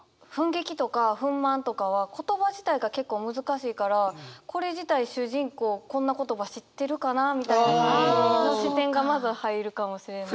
「憤激」とか「憤懣」とかは言葉自体が結構難しいからこれ自体主人公こんな言葉知ってるかなみたいな感じの視点がまず入るかもしれない。